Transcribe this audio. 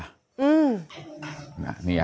น้าสาวของน้าผู้ต้องหาเป็นยังไงไปดูนะครับ